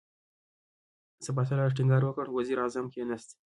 سپهسالار ټينګار وکړ، وزير اعظم کېناست.